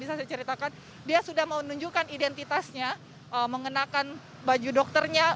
yang mengatakan dia sudah menunjukkan identitasnya mengenakan baju dokternya